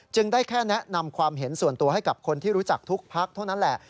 ได้แค่แนะนำความเห็นส่วนตัวให้กับคนที่รู้จักทุกพักเท่านั้นแหละ